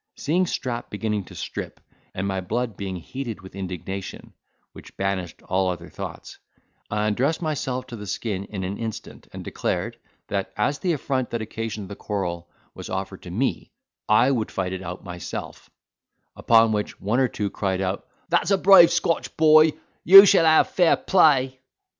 Seeing Strap beginning to strip, and my blood being heated with indignation, which banished all other thoughts, I undressed myself to the skin in an instant, and declared, that as the affront that occasioned the quarrel was offered to me, I would fight it out myself; upon which one or two cried out, "That's a brave Scotch boy; you shall have fair play."